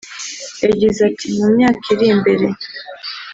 yagize ati” Mu myaka iri imbere